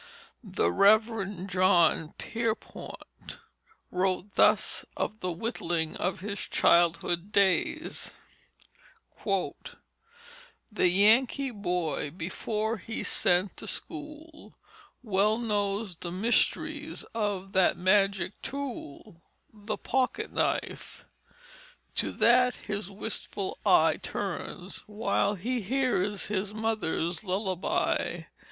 The Rev. John Pierpont wrote thus of the whittling of his childhood days: "The Yankee boy before he's sent to school Well knows the mysteries of that magic tool The pocket knife. To that his wistful eye Turns, while he hears his mother's lullaby.